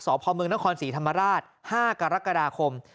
สพเมืองนครศรีธรรมราช๕กรกฎาคม